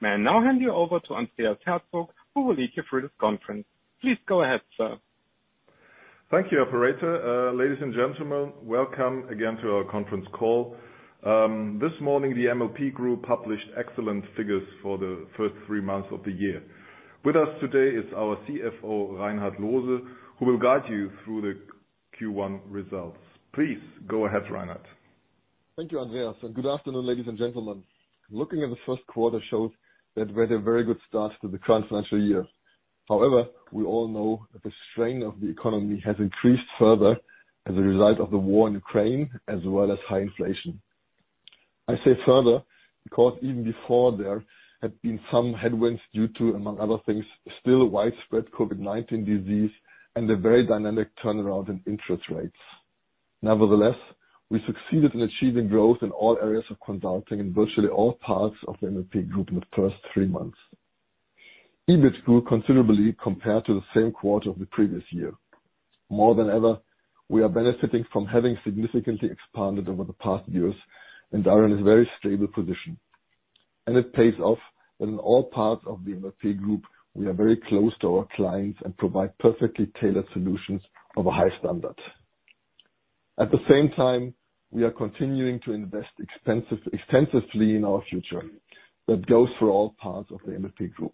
May I now hand you over to Andreas Herzog, who will lead you through this conference. Please go ahead, sir. Thank you, operator. Ladies and gentlemen, welcome again to our conference call. This morning, the MLP Group published excellent figures for the first three months of the year. With us today is our CFO, Reinhard Loose, who will guide you through the Q1 results. Please go ahead, Reinhard. Thank you, Andreas, and good afternoon, ladies and gentlemen. Looking at the first quarter shows that we had a very good start to the current financial year. However, we all know that the strain of the economy has increased further as a result of the war in Ukraine, as well as high inflation. I say further because even before there had been some headwinds due to, among other things, still widespread COVID-19 disease and a very dynamic turnaround in interest rates. Nevertheless, we succeeded in achieving growth in all areas of consulting in virtually all parts of the MLP Group in the first three months. EBIT grew considerably compared to the same quarter of the previous year. More than ever, we are benefiting from having significantly expanded over the past years and are in a very stable position. It pays off that in all parts of the MLP Group, we are very close to our clients and provide perfectly tailored solutions of a high standard. At the same time, we are continuing to invest extensively in our future. That goes for all parts of the MLP Group.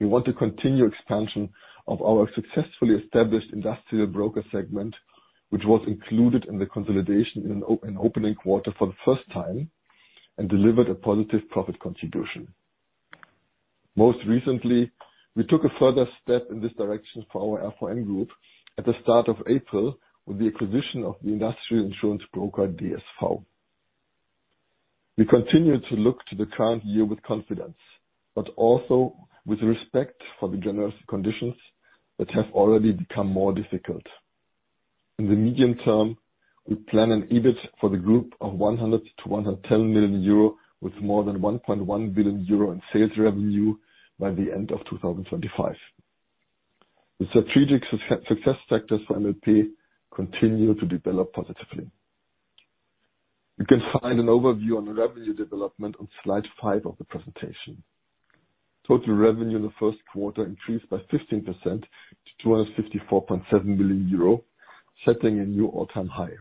We want to continue expansion of our successfully established Industrial Broker segment, which was included in the consolidation in Q1 for the first time and delivered a positive profit contribution. Most recently, we took a further step in this direction for our RVM Group at the start of April with the acquisition of the industrial insurance broker, DSV. We continue to look to the current year with confidence, but also with respect for the general conditions that have already become more difficult. In the medium term, we plan an EBIT for the group of 100 million-110 million euro, with more than 1.1 billion euro in sales revenue by the end of 2025. The strategic success factors for MLP continue to develop positively. You can find an overview on the revenue development on slide five of the presentation. Total revenue in the first quarter increased by 15% to 254.7 million euro, setting a new all-time high.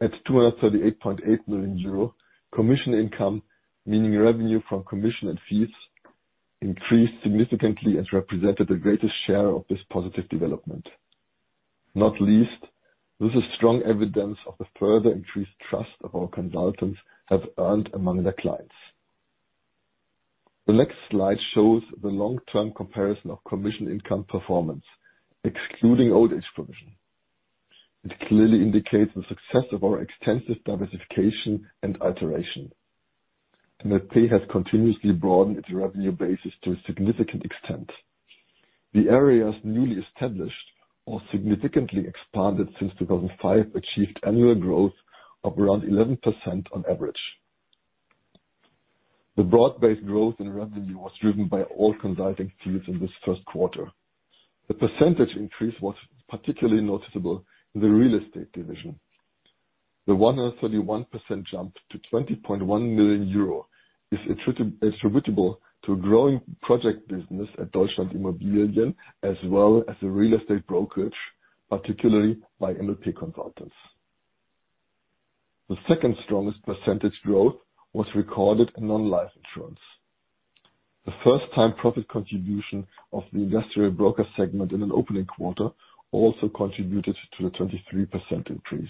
At 238.8 million euro, commission income, meaning revenue from commission and fees, increased significantly and represented the greatest share of this positive development. Not least, this is strong evidence of the further increased trust that our consultants have earned among their clients. The next slide shows the long-term comparison of commission income performance, excluding old-age provision. It clearly indicates the success of our extensive diversification and alteration. MLP has continuously broadened its revenue basis to a significant extent. The areas newly established or significantly expanded since 2005 achieved annual growth of around 11% on average. The broad-based growth in revenue was driven by all consulting fees in this first quarter. The percentage increase was particularly noticeable in the real estate division. The 131% jump to 20.1 million euro is attributable to a growing project business at DEUTSCHLAND.Immobilien, as well as the real estate brokerage, particularly by MLP consultants. The second strongest percentage growth was recorded in non-life insurance. The first-time profit contribution of the Industrial Broker segment in an opening quarter also contributed to the 23% increase.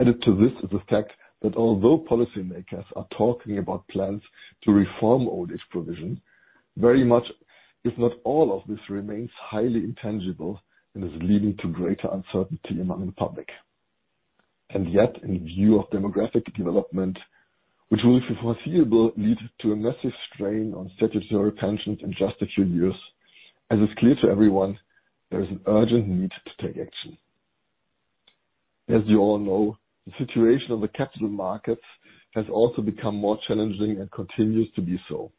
As you all know, the situation on the capital markets has also become more challenging and continues to be so.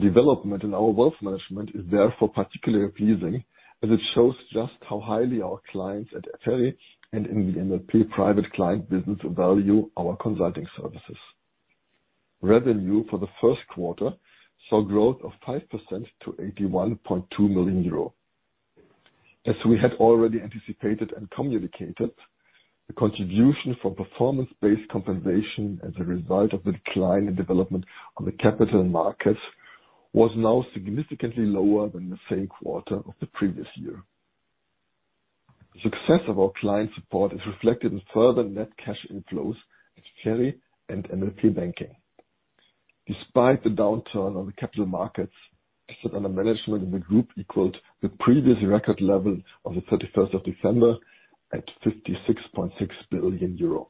Development in our wealth management is therefore particularly appeasing, as it shows just how highly our clients at FERI and in the MLP private client business value our consulting services. Revenue for the first quarter saw growth of 5% to 81.2 million euro. As we had already anticipated and communicated, the contribution for performance-based compensation as a result of the decline in development on the capital markets was now significantly lower than the same quarter of the previous year. The success of our client support is reflected in further net cash inflows at FERI and MLP Banking. Despite the downturn on the capital markets, assets under management in the group equaled the previous record level on the 31st of December, at 56.6 billion euro.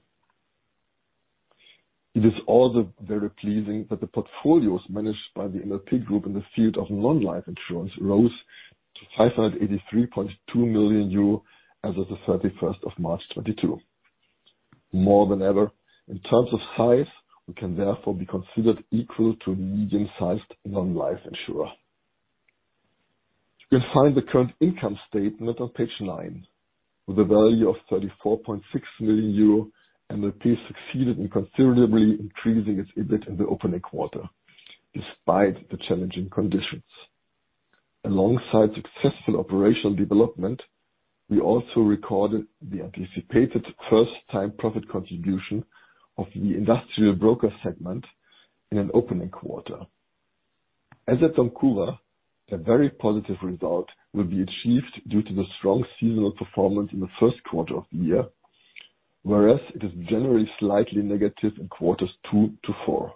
It is also very pleasing that the portfolios managed by the MLP Group in the field of non-life insurance rose to 583.2 million euro as of the 31st of March 2022. More than ever, in terms of size, we can therefore be considered equal to a medium-sized non-life insurer. You can find the current income statement on page nine. With a value of 34.6 million euro, MLP succeeded in considerably increasing its EBIT in the opening quarter, despite the challenging conditions. Alongside successful operational development, we also recorded the anticipated first time profit contribution of the Industrial Broker segment in an opening quarter. Assekuradeur, a very positive result will be achieved due to the strong seasonal performance in the first quarter of the year, whereas it is generally slightly negative in quarters two to four.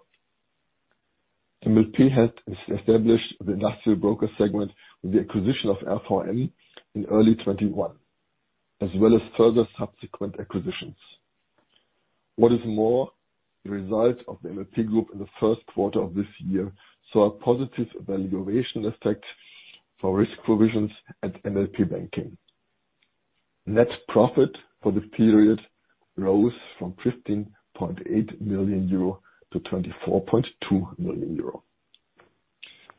MLP has established the Industrial Broker segment with the acquisition of RVM in early 2021, as well as further subsequent acquisitions. What is more, the result of the MLP Group in the first quarter of this year saw a positive valuation effect for risk provisions at MLP Banking. Net profit for the period rose from 15.8 million euro to 24.2 million euro.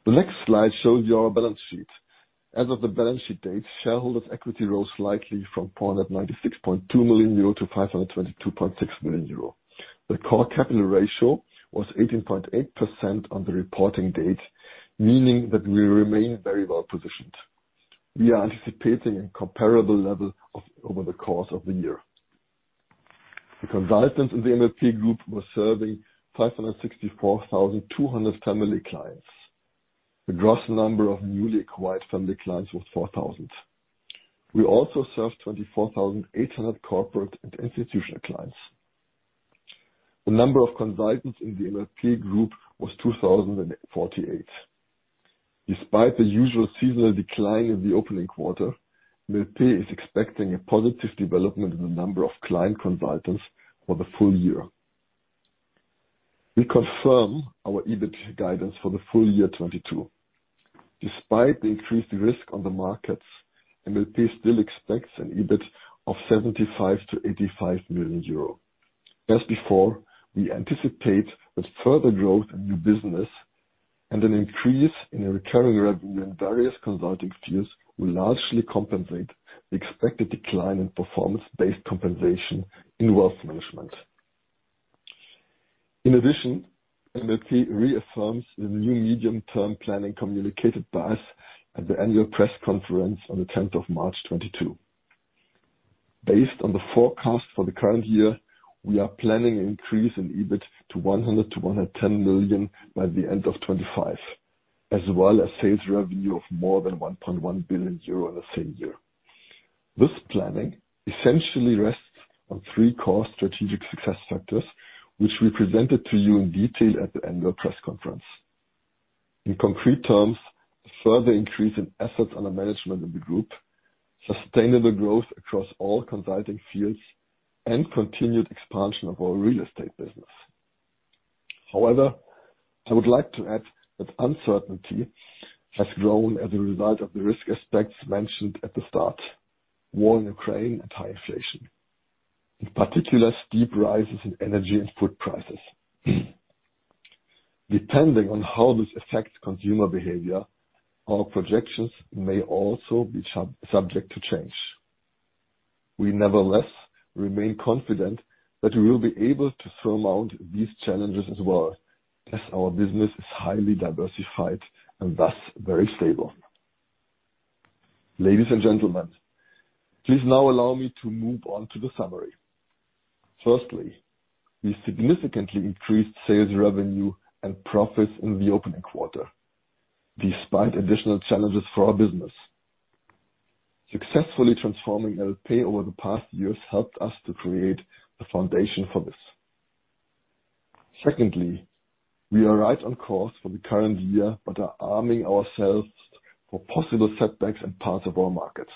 The next slide shows our balance sheet. As of the balance sheet date, shareholders equity rose slightly from 496.2 million euro to 522.6 million euro. The core capital ratio was 18.8% on the reporting date, meaning that we remain very well positioned. We are anticipating a comparable level over the course of the year. The consultants in the MLP Group were serving 564,200 family clients. The gross number of newly acquired family clients was 4,000. We also served 24,800 corporate and institutional clients. The number of consultants in the MLP Group was 2,048. Despite the usual seasonal decline in the opening quarter, MLP is expecting a positive development in the number of client consultants for the full year 2022. We confirm our EBIT guidance for the full year 2022. Despite the increased risk on the markets, MLP still expects an EBIT of 75 million-85 million euro. As before, we anticipate that further growth in new business and an increase in the recurring revenue in various consulting fields will largely compensate the expected decline in performance-based compensation in wealth management. In addition, MLP reaffirms the new medium-term planning communicated by us at the annual press conference on the tenth of March, 2022. Based on the forecast for the current year, we are planning an increase in EBIT to 100 million-110 million by the end of 2025, as well as sales revenue of more than 1.1 billion euro in the same year. This planning essentially rests on three core strategic success factors, which we presented to you in detail at the annual press conference. In concrete terms, a further increase in assets under management in the group, sustainable growth across all consulting fields, and continued expansion of our real estate business. However, I would like to add that uncertainty has grown as a result of the risk aspects mentioned at the start, war in Ukraine and high inflation. In particular, steep rises in energy and food prices. Depending on how this affects consumer behavior, our projections may also be subject to change. We nevertheless remain confident that we will be able to surmount these challenges as well, as our business is highly diversified and thus very stable. Ladies and gentlemen, please now allow me to move on to the summary. Firstly, we significantly increased sales revenue and profits in the opening quarter, despite additional challenges for our business. Successfully transforming MLP over the past years helped us to create the foundation for this. Secondly, we are right on course for the current year, but are arming ourselves for possible setbacks in parts of our markets.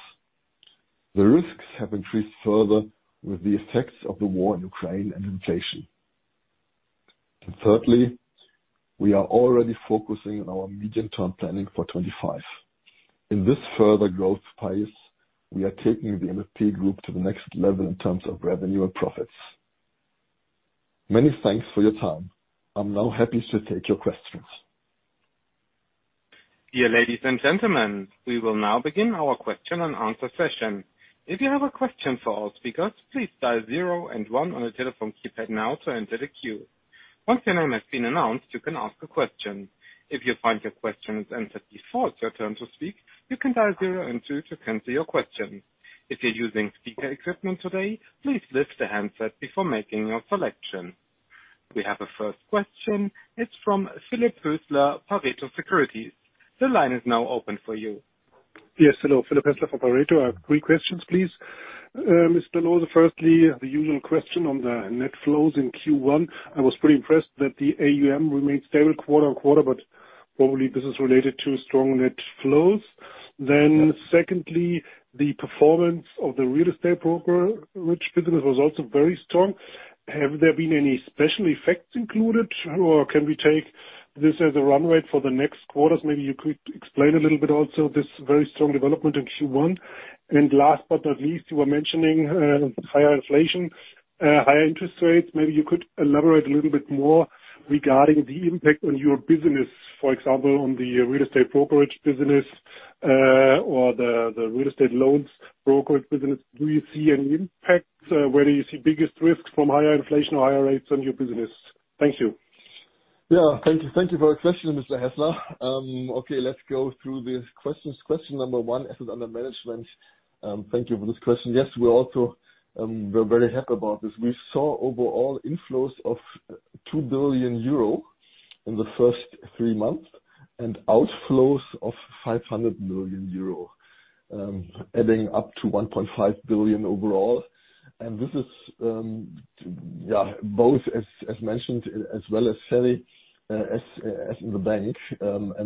The risks have increased further with the effects of the war in Ukraine and inflation. Thirdly, we are already focusing on our medium-term planning for 2025. In this further growth phase, we are taking the MLP Group to the next level in terms of revenue and profits. Many thanks for your time. I'm now happy to take your questions. Dear ladies and gentlemen, we will now begin our question and answer session. If you have a question for our speakers, please dial zero and one on your telephone keypad now to enter the queue. Once your name has been announced, you can ask a question. If you find your question is answered before it's your turn to speak, you can dial zero and two to cancel your question. If you're using speaker equipment today, please lift the handset before making your selection. We have a first question. It's from Philipp Häßler, Pareto Securities. The line is now open for you. Yes, hello. Philipp Häßler from Pareto. I have three questions, please. Mr. Loose, firstly, the usual question on the net flows in Q1. I was pretty impressed that the AUM remained stable quarter-over-quarter, but probably this is related to strong net flows. Secondly, the performance of the real estate broker, which business was also very strong. Have there been any special effects included, or can we take this as a run rate for the next quarters? Maybe you could explain a little bit also this very strong development in Q1. Last but not least, you were mentioning, higher inflation, higher interest rates. Maybe you could elaborate a little bit more regarding the impact on your business, for example, on the real estate brokerage business, or the real estate loans brokerage business. Do you see an impact? Where do you see biggest risks from higher inflation or higher rates on your business? Thank you. Yeah, thank you. Thank you for your question, Mr. Häßler. Okay, let's go through these questions. Question number one, assets under management. Thank you for this question. Yes, we're very happy about this. We saw overall inflows of 2 billion euro in the first three months and outflows of 500 million euro, adding up to 1.5 billion overall. This is, yeah, both as mentioned, as well as FERI, as in the bank.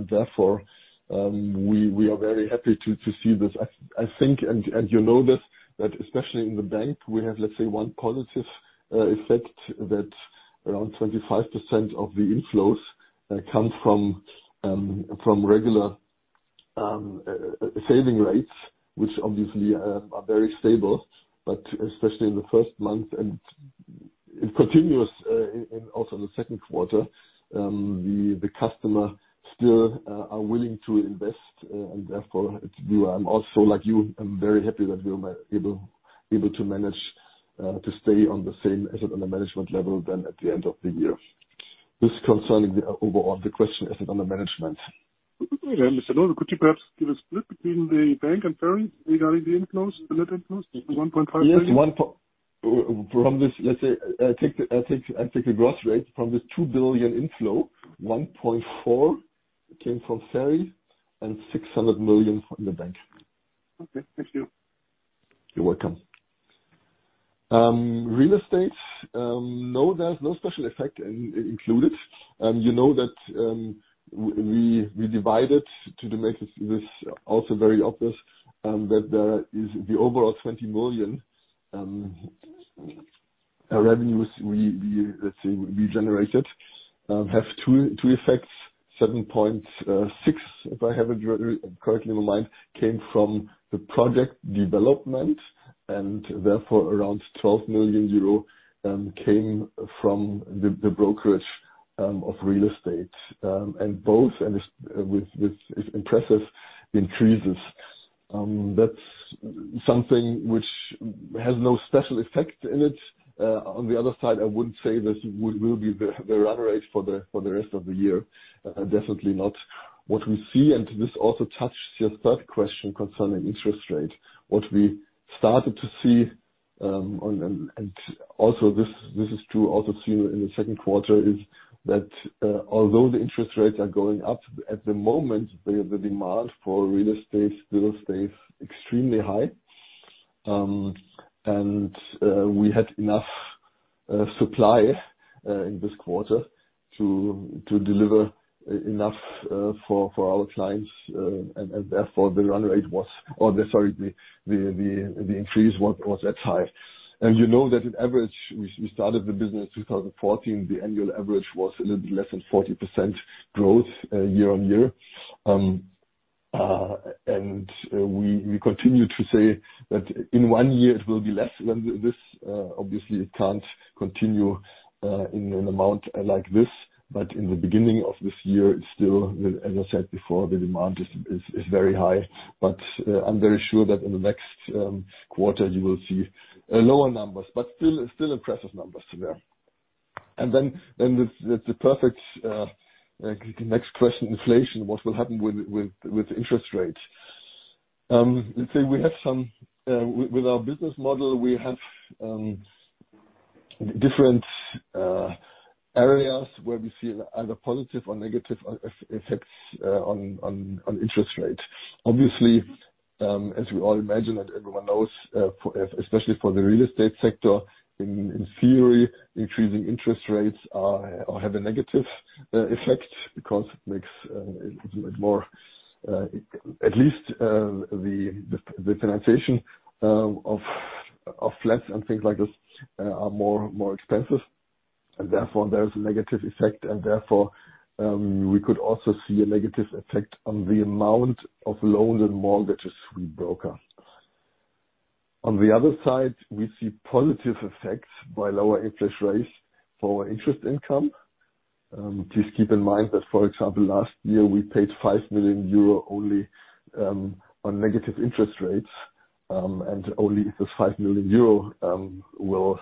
Therefore, we are very happy to see this. I think and you know this, that especially in the bank, we have, let's say, one positive effect that around 25% of the inflows come from regular saving rates, which obviously are very stable, but especially in the first month and it continues in also the second quarter. The customer still are willing to invest, and therefore I'm also like you, I'm very happy that we were able to manage to stay on the same assets under management level than at the end of the year. This concerning the overall, the question assets under management. Mr. Loose, could you perhaps give a split between the bank and FERI regarding the inflows, the net inflows, 1.5 billion? Yes, one point. From this, let's say, I take the gross rate from the 2 billion inflow. 1.4 billion came from FERI and 600 million from the bank. Okay. Thank you. You're welcome. Real estate, no, there's no special effect included. You know that, we divide it to make this also very obvious, that there is the overall 20 million revenues we generated have two effects. 7.6, if I have it correctly in mind, came from the project development, and therefore around 12 million euro came from the brokerage of real estate. And both with impressive increases. That's something which has no special effect in it. On the other side, I would say this will be the run rate for the rest of the year. Definitely not what we see. This also touches your third question concerning interest rate. What we started to see and also this is true, also seen in the second quarter, is that although the interest rates are going up at the moment, the demand for real estate still stays extremely high. We had enough supply in this quarter to deliver enough for our clients. Therefore the increase was that high. You know that on average, we started the business 2014. The annual average was a little less than 40% growth year-on-year. We continue to say that in one year it will be less than this. Obviously it can't continue in an amount like this. In the beginning of this year, it's still, as I said before, the demand is very high. I'm very sure that in the next quarter you will see lower numbers, but still impressive numbers there. Then the perfect next question, inflation, what will happen with interest rates? Let's say we have some with our business model, we have different areas where we see either positive or negative effects on interest rates. Obviously, as we all imagine and everyone knows, for especially for the real estate sector, in theory, increasing interest rates have a negative effect because it makes more at least the monetization of flats and things like this are more expensive, and therefore there's a negative effect. Therefore, we could also see a negative effect on the amount of loans and mortgages we broker. On the other side, we see positive effects by lower interest rates for interest income. Just keep in mind that, for example, last year we paid 5 million euro only on negative interest rates, and only if this 5 million euro will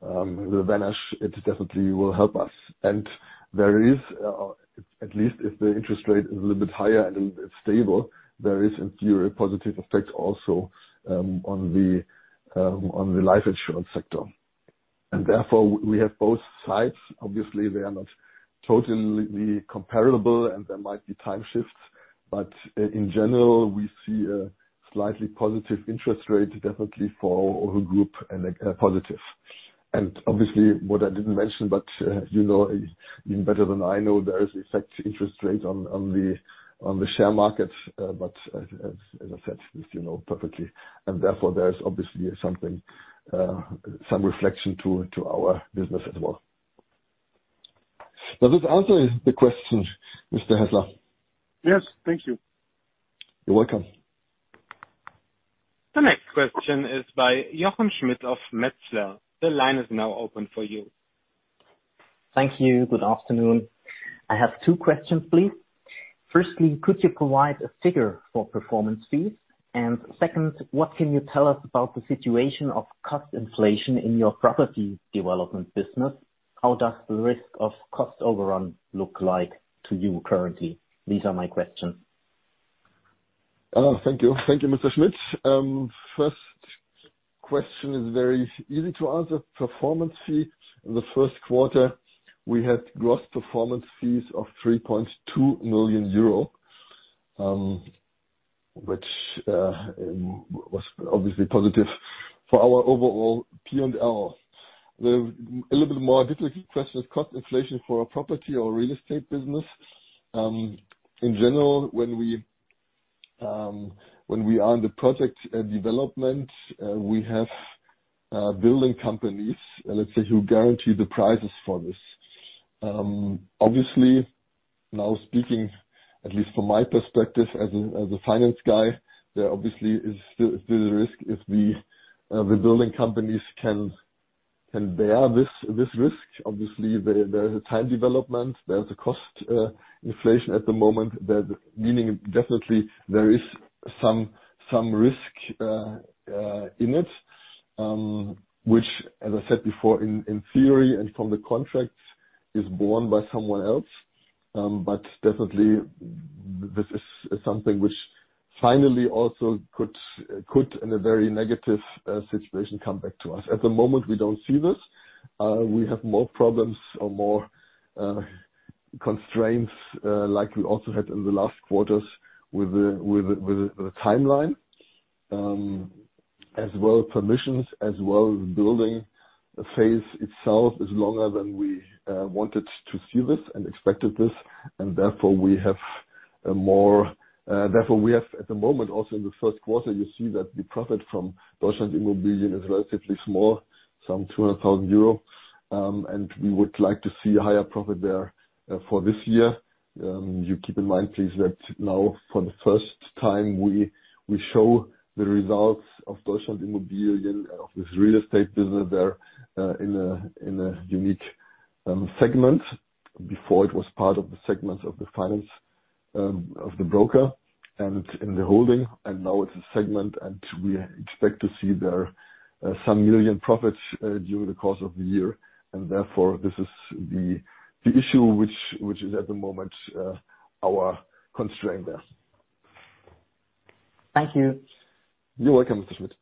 vanish, it definitely will help us. There is, at least if the interest rate is a little bit higher and it's stable, there is in theory a positive effect also, on the life insurance sector. Therefore we have both sides. Obviously, they are not totally comparable and there might be time shifts, but in general we see a slightly positive interest rate definitely for our group and a positive. Obviously what I didn't mention, but, you know even better than I know there is effect interest rate on the share market. But as I said, as you know perfectly. Therefore there is obviously something, some reflection to our business as well. Does this answer the question, Mr. Häßler? Yes, thank you. You're welcome. The next question is by Jochen Schmitt of Metzler. The line is now open for you. Thank you. Good afternoon. I have two questions, please. Firstly, could you provide a figure for performance-based compensation? Second, what can you tell us about the situation of cost inflation in your property development business? How does the risk of cost overrun look like to you currently? These are my questions. Thank you. Thank you, Mr. Schmitt. First question is very easy to answer. Performance fee in the first quarter. We had gross performance fees of 3.2 million euro, which was obviously positive for our overall P&L. A little bit more difficult question is cost inflation for our property or real estate business. In general, when we are in the project development, we have building companies, let's say, who guarantee the prices for this. Obviously now speaking at least from my perspective as a finance guy, there obviously is still a risk if the building companies can bear this risk. Obviously there is a time development. There's a cost inflation at the moment. Meaning definitely there is some risk in it, which as I said before in theory and from the contracts is borne by someone else. But definitely this is something which finally also could in a very negative situation come back to us. At the moment, we don't see this. We have more problems or more constraints like we also had in the last quarters with the timeline. As well as permissions, as well as building the phase itself is longer than we wanted to see this and expected this. Therefore we have at the moment also in the first quarter, you see that the profit from Deutschland.Immobilien is relatively small, some 200,000 euro. We would like to see a higher profit there for this year. You keep in mind please that now for the first time, we show the results of DEUTSCHLAND.Immobilien and of this real estate business there in a unique segment. Before it was part of the segment of the finance of the broker and in the holding, and now it's a segment and we expect to see there some million profits during the course of the year. Therefore this is the issue which is at the moment our constraint there. Thank you. You're welcome, Mr. Schmitt.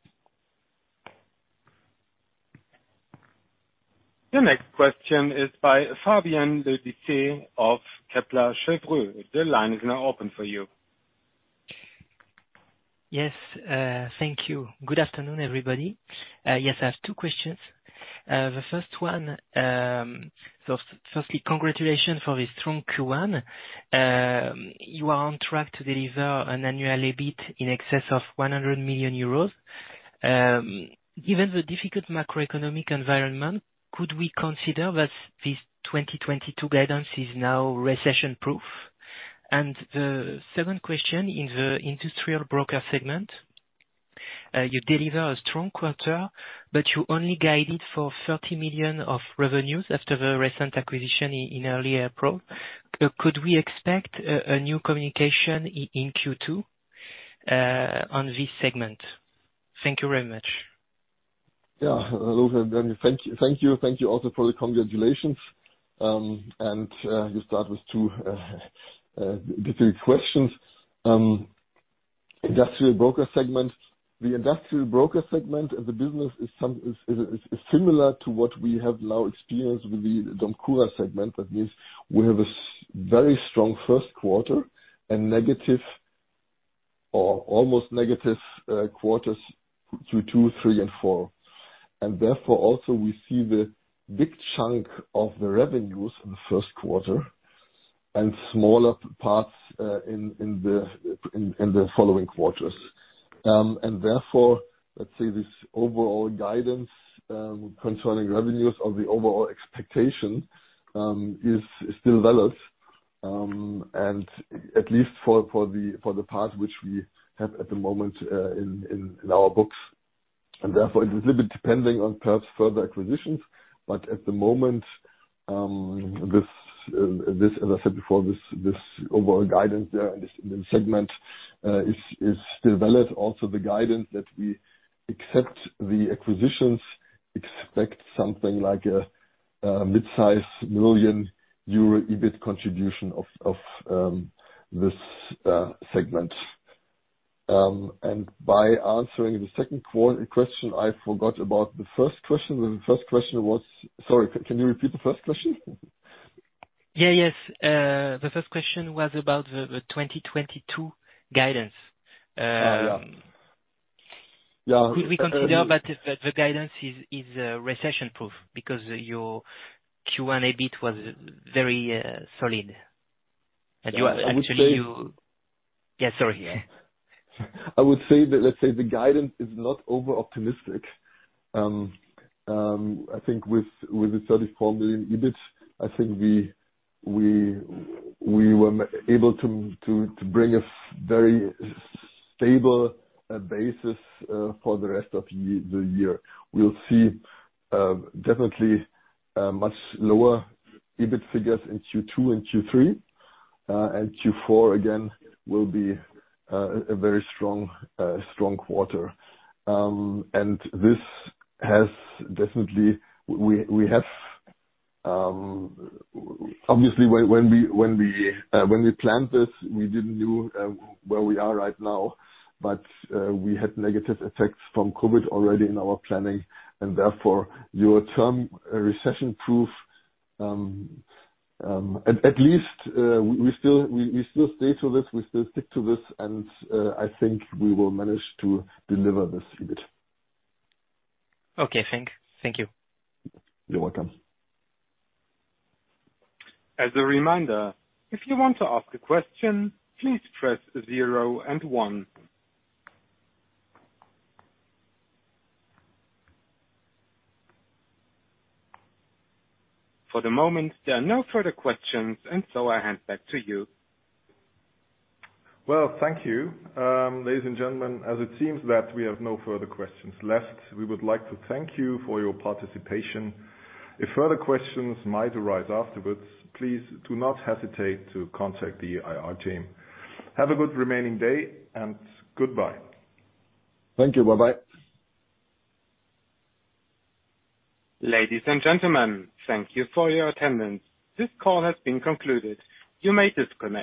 The next question is by Fabien Le Disert of Kepler Cheuvreux. The line is now open for you. Yes, thank you. Good afternoon, everybody. Yes, I have two questions. The first one, firstly, congratulations for the strong Q1. You are on track to deliver an annual EBIT in excess of 100 million euros. Given the difficult macroeconomic environment, could we consider that this 2022 guidance is now recession-proof? The second question, in the Industrial Broker segment, you deliver a strong quarter, but you only guided for 30 million of revenues after the recent acquisition in early April. Could we expect a new communication in Q2 on this segment? Thank you very much. Yeah. Hello, Fabien. Thank you. Thank you also for the congratulations. You start with two different questions. Industrial Broker segment. The Industrial Broker segment as a business is similar to what we have now experienced with the DOMCURA segment. That means we have a very strong first quarter and negative or almost negative quarters two, three and four. Therefore also we see the big chunk of the revenues in the first quarter and smaller parts in the following quarters. Therefore, let's say this overall guidance concerning revenues or the overall expectation is still valid. At least for the part which we have at the moment in our books. Therefore it is a little bit depending on perhaps further acquisitions. At the moment, this as I said before, this overall guidance there in this segment is still valid. Also the guidance that we expect the acquisitions, expect something like a mid-size million euro EBIT contribution of this segment. By answering the second question I forgot about the first question. The first question was. Sorry, can you repeat the first question? Yeah. Yes. The first question was about the 2022 guidance. Yeah. Could we consider that the guidance is recession-proof because your Q1 EBIT was very solid? You are I would say. Yeah, sorry. Yeah. I would say that, let's say, the guidance is not over-optimistic. I think with the 34 million EBIT, I think we were able to bring a very stable basis for the rest of the year. We'll see, definitely, much lower EBIT figures in Q2 and Q3. Q4 again will be a very strong quarter. This has definitely. We have obviously, when we planned this, we didn't know where we are right now. We had negative effects from COVID already in our planning, and therefore your term recession-proof, at least, we still stick to this, and I think we will manage to deliver this EBIT. Okay. Thank you. You're welcome. As a reminder, if you want to ask a question, please press zero and one. For the moment, there are no further questions, and so I hand back to you. Well, thank you. Ladies and gentlemen, as it seems that we have no further questions left, we would like to thank you for your participation. If further questions might arise afterwards, please do not hesitate to contact the IR team. Have a good remaining day and goodbye. Thank you. Bye-bye. Ladies and gentlemen, thank you for your attendance. This call has been concluded. You may disconnect.